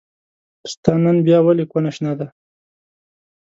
ستا نن بيا ولې کونه شنه ده